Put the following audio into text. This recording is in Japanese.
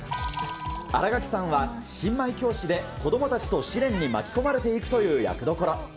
新垣さんは、新米教師で子どもたちと試練に巻き込まれていくという役どころ。